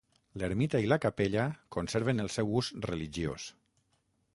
L'ermita i la capella conserven el seu ús religiós.